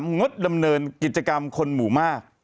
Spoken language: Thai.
งดดำเนินกิจกรรมคนหมู่มาก